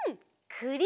くり！